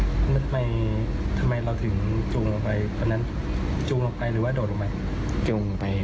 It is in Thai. แล้วทำไมเราถึงจูงลงไป